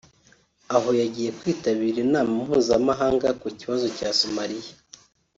aho yagiye kwitabira inama mpuzamahanga ku kibazo cya Somaliya